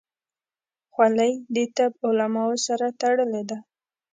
خولۍ د طب علماو سره تړلې ده.